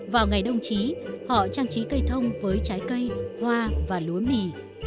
vào ngày đông chí họ trang trí cây thông với trái cây hoa và lúa mỳ